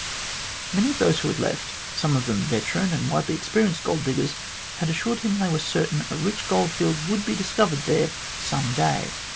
Many of those who had left, some of them veteran and widely experienced gold diggers, had assured him they were certain a rich goldfield would be discovered there some day.